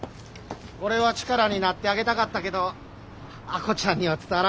俺は力になってあげたかったけど亜子ちゃんには伝わらんかったみたい。